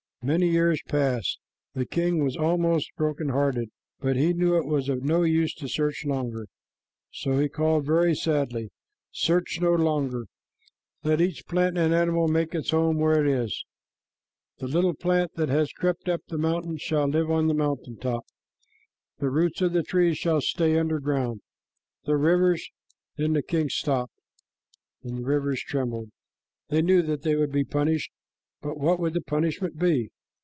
Many years passed. The king was almost broken hearted, but he knew it was of no use to search longer, so he called very sadly, "Search no longer. Let each plant and animal make its home where it is. The little plant that has crept up the mountain shall live on the mountain top, and the roots of the trees shall stay under ground. The rivers" Then the king stopped, and the rivers trembled. They knew that they would be punished, but what would the punishment be?